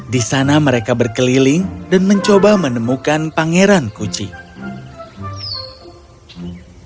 di sana mereka berkeliling dan mencoba menemukan pangeran kucing